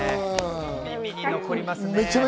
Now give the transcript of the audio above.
耳に残りますね。